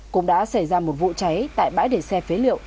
cũng đã xảy ra một vụ cháy tại bãi để xe phế liệu